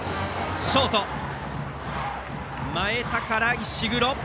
ショート前田から石黒。